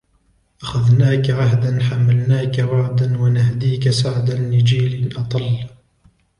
أخذناك عهدا حملناك وعدا ونهديك سعدا لجيل أطل